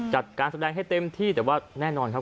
จัดการแสดงให้เต็มที่แต่ว่าแน่นอนครับ